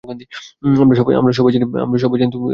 আমরা সবাই জানি তুমি এটা পারবে।